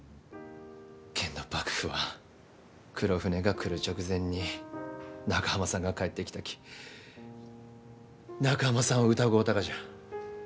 けんど幕府は黒船が来る直前に中濱さんが帰ってきたき中濱さんを疑うたがじゃ。